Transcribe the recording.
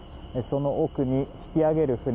その奥に引き揚げる船